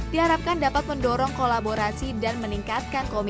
diharapkan dapat mendorong kolaborasi dan perkembangan kota kota yang berkelanjutan